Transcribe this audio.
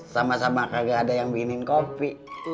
sama sama kagak ada yang bikinin kopi